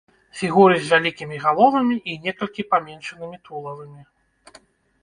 Фігуры з вялікімі галовамі і некалькі паменшанымі тулавамі.